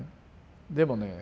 でもね